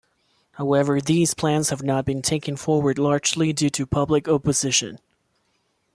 However these plans have not been taken forward largely due to public opposition.